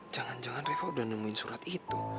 jangan jangan revo udah nemuin surat itu